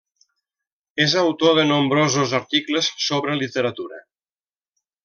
És autor de nombrosos articles sobre literatura.